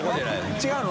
違うの？